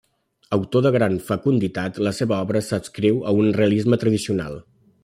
Autor de gran fecunditat, la seva obra s'adscriu a un realisme tradicional.